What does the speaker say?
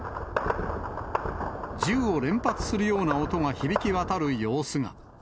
銃を連発するような音が響き渡る様子が。